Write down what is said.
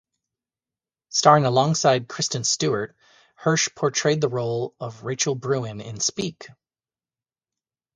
Starring alongside Kristen Stewart, Hirsh portrayed the role of Rachel Bruin in "Speak".